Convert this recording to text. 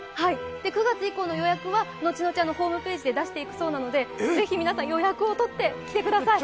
９月以降の予約は後々ホームページで出していくそうなので、是非、皆さん予約を取ってください